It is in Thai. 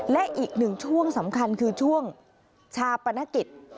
และอีกหนึ่งช่วงสำคัญคือช่วงชาปนกิจ